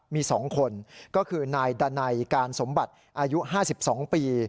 มี๒คนก็คือนายดันัยการสมบัติอายุ๕๒ปี